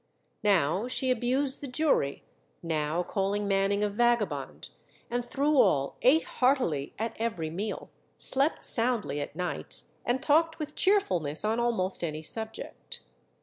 Now she abused the jury, now called Manning a vagabond, and through all ate heartily at every meal, slept soundly at nights, and talked with cheerfulness on almost any subject.